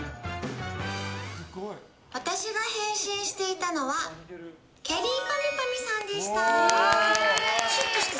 私が変身していたのはきゃりーぱみゅぱみゅさんでした。